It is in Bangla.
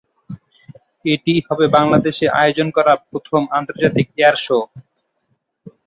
এটিই হবে বাংলাদেশে আয়োজন করা প্রথম আন্তর্জাতিক এয়ার শো।